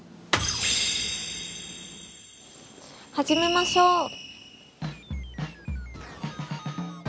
始めましょう！